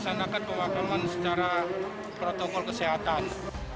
dengan menanganan pasien covid sembilan belas